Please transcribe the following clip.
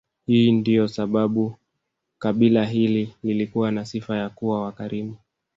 Hii ndiyo sababu kabila hili lilikuwa na sifa ya kuwa wakarimu